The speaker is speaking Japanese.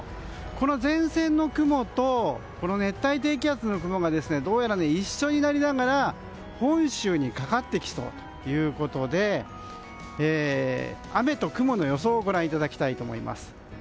この前線の雲と熱帯低気圧の雲がどうやら一緒になりながら本州にかかってきそうで雨と雲の予想をご覧いただきたいと思います。